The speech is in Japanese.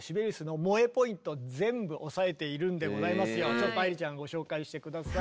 ちょっと愛理ちゃんご紹介して下さい。